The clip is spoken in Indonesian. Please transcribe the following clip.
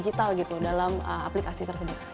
digitalisasi partisipasi digital gitu dalam aplikasi tersebut